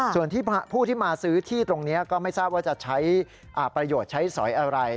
ส่วนที่ผู้ที่มาซื้อที่ตรงนี้ก็ไม่ทราบว่าจะใช้ประโยชน์ใช้สอยอะไร